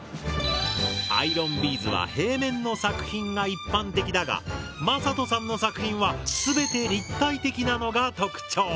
アイロンビーズは平面の作品が一般的だがまさとさんの作品は全て立体的なのが特徴。